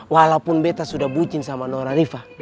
walaupun beta sudah bucin sama nona rifah